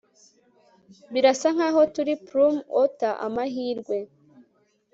birasa nkaho turi plum outta amahirwe !